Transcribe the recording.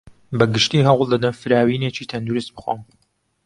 بەگشتی هەوڵدەدەم فراوینێکی تەندروست بخۆم.